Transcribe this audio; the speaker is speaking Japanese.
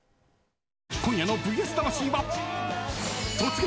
今夜の「ＶＳ魂」は突撃！